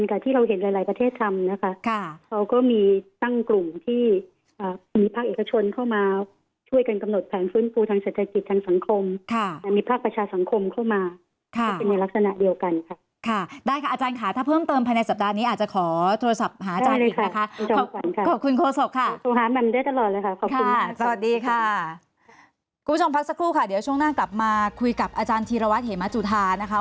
พักสักครู่ค่ะเดี๋ยวช่วงหน้ากลับมาคุยกับอาจารย์ธีรวัตรเหมจุธานะคะ